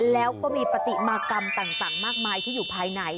แล้วก็มีปฏิมากรรมต่างมากมายที่อยู่ภายใน